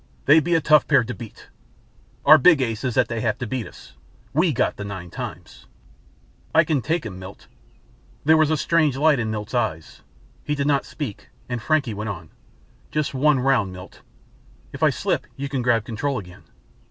They'd be a tough pair to beat. Our big ace is that they have to beat us. We got the Nine Times." "I can take him, Milt!" There was a strange light in Milt's eyes. He did not speak and Frankie went on. "Just one round, Milt! If I slip you can grab control again."